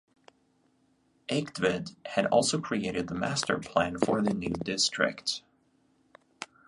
Eigtved had also created the masterplan for the new district.